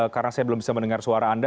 karena saya belum bisa mendengar suara anda